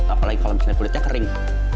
apalagi kalau misalnya kulitnya kering